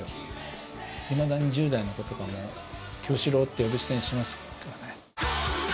いまだに１０代の子とかもキヨシローって呼び捨てにしますからね。